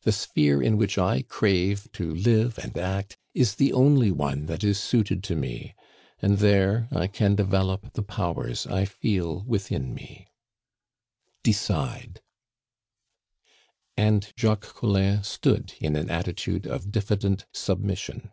The sphere in which I crave to live and act is the only one that is suited to me, and there I can develop the powers I feel within me. "Decide." And Jacques Collin stood in an attitude of diffident submission.